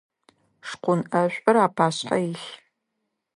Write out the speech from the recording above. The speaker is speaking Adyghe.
Шкъун ӏэшӏур апашъхьэ илъ.